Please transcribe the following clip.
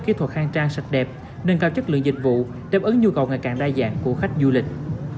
kỹ thuật khang trang sạch đẹp nâng cao chất lượng dịch vụ đáp ứng nhu cầu ngày càng đa dạng của khách du lịch